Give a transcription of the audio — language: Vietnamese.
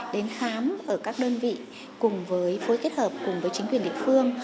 đến khám ở các đơn vị cùng với phối kết hợp cùng với chính quyền địa phương